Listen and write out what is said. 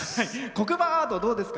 黒板アート、どうですか？